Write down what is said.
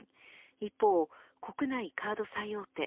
一方、国内カード最大手